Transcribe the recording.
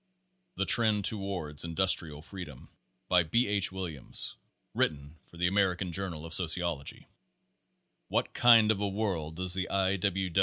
THE TREND TOWARD INDUSTRIAL FREEDOM By B. H. Williams. (Written for the American Journal of Sociology.) "What kind of a world does the I.